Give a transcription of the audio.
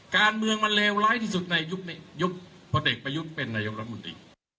การเมืองมันเลวไร้ที่สุดในยุคนี้ยุคพอเด็กประยุทธ์เป็นนายกรมนุษย์ดี